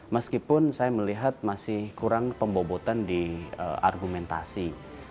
meskipun saya melihat masih kurang pembobotan di argumentasi